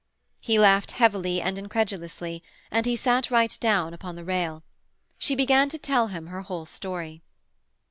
He laughed heavily and incredulously, and he sat right down upon the rail. She began to tell him her whole story.